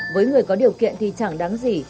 với người có điều kiện thì chẳng đáng gì